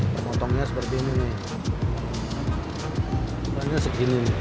jadi benar benar seperti ini gunanya segini